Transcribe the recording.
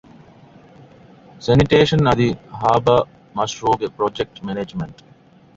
ސެނިޓޭޝަން އަދި ހާރބަރ މަޝްރޫޢުގެ ޕްރޮޖެކްޓް މެނޭޖްމަންޓް